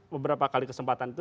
beberapa kali kesempatan itu